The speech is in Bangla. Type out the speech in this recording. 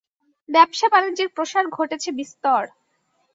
ব্যবসা বাণিজ্যের প্রসার ঘটেছে বিস্তর।